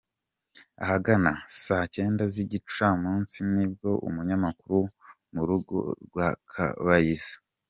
Ahagana saa cyenda z’igicamunsi nibwo umunyamakuru mu rugo rwa Kabayiza.